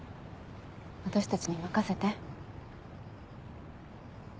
私たちに任せて。